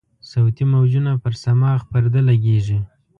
صوتي موجونه پر صماخ پرده لګیږي.